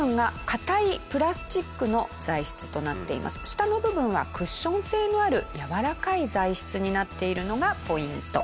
下の部分はクッション性のあるやわらかい材質になっているのがポイント。